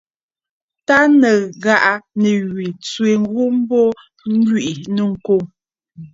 Tâ nɨ̀ghàꞌà nì wè tswe ghu mbo, ǹlwìꞌì nɨ̂ŋkoŋə̀.